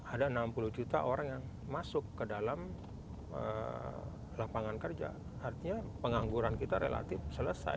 ada enam puluh juta orang yang masuk ke dalam lapangan kerja artinya pengangguran kita relatif selesai